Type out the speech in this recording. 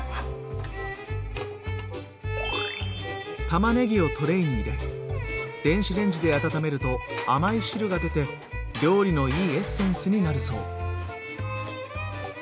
たまねぎをトレーに入れ電子レンジで温めると甘い汁が出て料理のいいエッセンスになるそう。